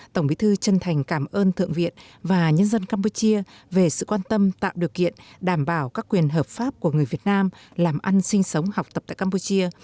tổng bí thư chân thành cảm ơn thượng viện và nhân dân campuchia về sự quan tâm tạo điều kiện đảm bảo các quyền hợp pháp của người việt nam làm ăn sinh sống học tập tại campuchia